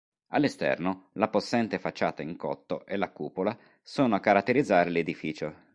All'esterno la possente facciata in cotto e la cupola sono a caratterizzare l'edificio.